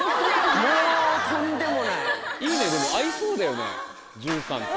［いいねでも合いそうだよね順さんと］